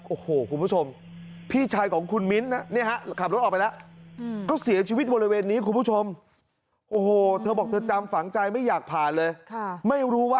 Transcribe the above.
โอ้โหคุณผู้ชมพี่ชายของคุณมิ้นนะนี่ฮะขับรถออกไปแล้ว